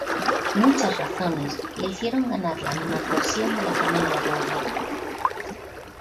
Muchas razones le hicieron ganar la animadversión de la familia Doria.